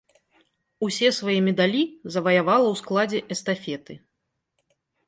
Усе свае медалі заваявала ў складзе эстафеты.